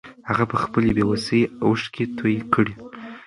هغه په خپلې بې وسۍ اوښکې توې کړې.